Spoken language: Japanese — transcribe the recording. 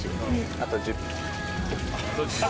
あと１０匹？